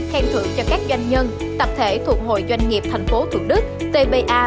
khen thưởng cho các doanh nhân tập thể thuộc hội doanh nghiệp thành phố thuận đức tpa